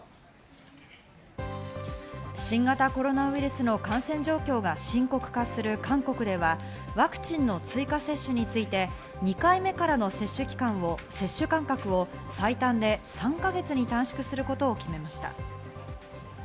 新型コロナウイルスの感染状況が深刻化する韓国では、ワクチンの追加接種について２回目からの接種間隔を最短で３か月に短縮することを決めました。